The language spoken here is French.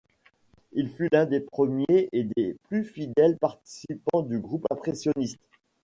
Il fut l'un des premiers et des plus fidèles participants du groupe impressionniste.